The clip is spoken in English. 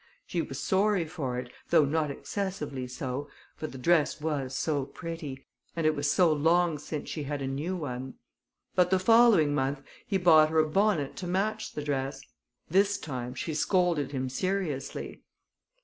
She was sorry for it, though not excessively so, for the dress was so pretty, and it was so long since she had a new one. But the following month he bought her a bonnet to match the dress. This time, she scolded him seriously.